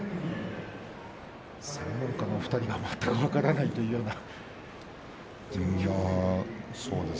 専門家のお二人が全く分からないというような。